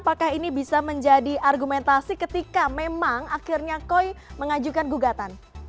apakah ini bisa menjadi argumentasi ketika memang akhirnya koi mengajukan gugatan